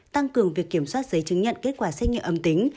tăng cường việc kiểm soát giấy chứng nhận kết quả xét nghiệm âm tính